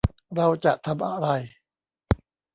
เราจะทำอะไร